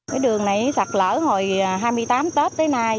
cái đường này sạt lở hồi hai mươi tám tết tới nay